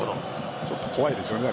ちょっと怖いですよね。